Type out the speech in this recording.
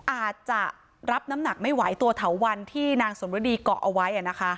อาจจะรับน้ำหนักไม่ไหวตัวเถาวันที่นางสมฤดีเกาะเอาไว้